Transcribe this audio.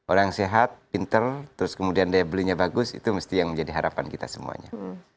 orang yang sehat pinter terus kemudian daya belinya bagus itu mesti yang menjadi harapan kita semuanya